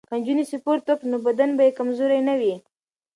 که نجونې سپورت وکړي نو بدن به یې کمزوری نه وي.